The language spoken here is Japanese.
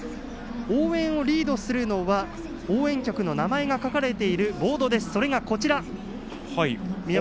応援をリードするのは応援曲の名前が書かれているボードです。